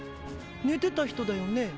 寝てた人だよね？